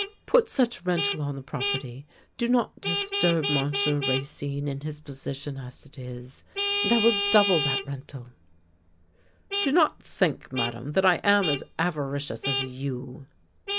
Put such rental on the property, do not disturb Monsieur Racine in his position as it is, and I will double that rental." THE LANE THAT HAD NO TURNING 63 " Do not think, Madame, that I am as avaricious as you."